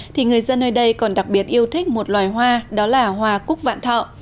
thì người dân nơi đây còn đặc biệt yêu thích một loài hoa đó là hoa cúc vạn thọ